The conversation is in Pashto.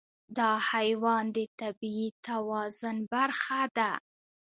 دا حیوان د طبیعي توازن برخه ده.